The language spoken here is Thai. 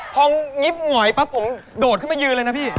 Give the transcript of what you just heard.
พองิบหงอยปั๊บผมโดดขึ้นมายืนเลยนะพี่